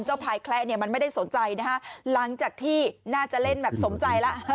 พลายแคละเนี่ยมันไม่ได้สนใจนะฮะหลังจากที่น่าจะเล่นแบบสมใจแล้ว